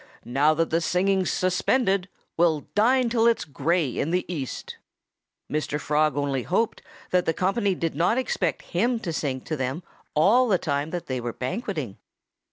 Now that the singing's suspended We'll dine till it's gray in the east." Mr. Frog only hoped that the company did not expect him to sing to them all the time while they were banqueting.